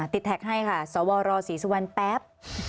ติดแท็กให้ค่ะศวรอ๔๐วันแป๊บ